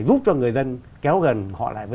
giúp cho người dân kéo gần họ lại với